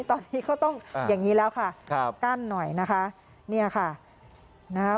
ตอนนี้ก็ต้องอย่างนี้แล้วค่ะครับกั้นหน่อยนะคะเนี่ยค่ะนะคะ